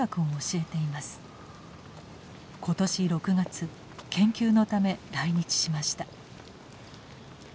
今年６月研究のため来日しました。